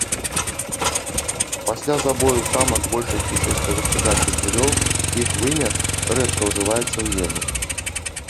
Пасля забою самак большасці сельскагаспадарчых жывёл іх вымя рэдка ўжываецца ў ежу.